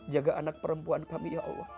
jaga anak perempuan kami